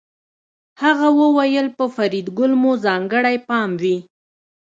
هغه وویل په فریدګل مو ځانګړی پام وي